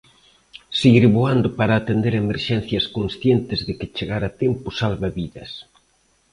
Seguir voando para atender emerxencias conscientes de que chegar a tempo salva vidas.